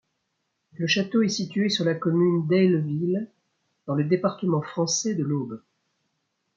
Le château est situé sur la commune d'Ailleville, dans le département français de l'Aube.